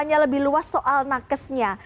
tanya lebih luas soal nakes nya